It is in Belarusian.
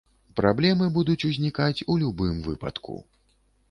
Праблемы будуць узнікаюць у любым выпадку.